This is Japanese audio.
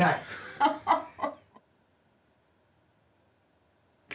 ハッハハハ。